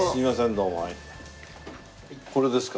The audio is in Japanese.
これですか？